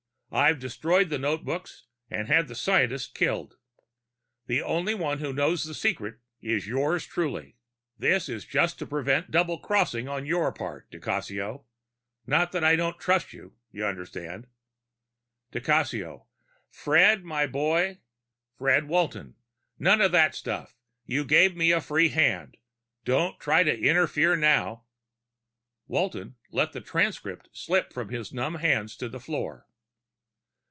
I've destroyed the notebooks and had the scientist killed. The only one who knows the secret is yours truly. This is just to prevent double crossing on your part, di Cassio. Not that I don't trust you, you understand._ Di Cassio: _Fred, my boy _ Fred Walton: None of that stuff. You gave me a free hand. Don't try to interfere now. Walton let the transcript slip from his numb hands to the floor.